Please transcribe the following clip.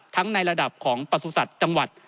ทั้งในระดับของประสุทธิ์สัตว์จังหวัด